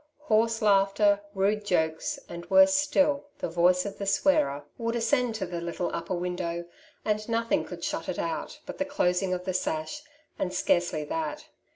Hoarse laughter, rude jokes, and, worse still, the voice of the swearer, would ascend to the little upper window, and nothing could shut it out but the closing of the sash, and scarcely that.